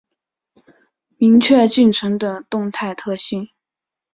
明确进程的动态特性